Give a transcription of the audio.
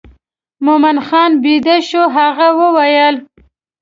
مومن خان بېده شو هغې وویل.